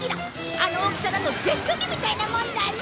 あの大きさだとジェット機みたいなもんだね。